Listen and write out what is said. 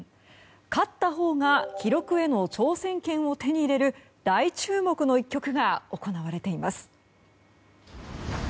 勝ったほうが記録への挑戦権を手に入れる大注目の一局が行われています。